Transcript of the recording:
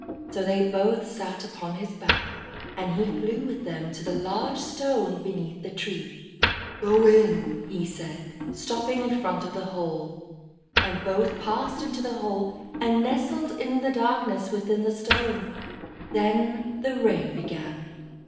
So they both sat upon his back, and he flew with them to the large Stone beneath the tree. "Go in," he said, stopping in front of the hole; and both passed into the hole, and nestled in the darkness within the Stone. Then the rain began.